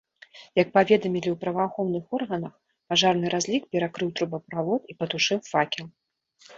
Як паведамілі ў праваахоўных органах, пажарны разлік перакрыў трубаправод і патушыў факел.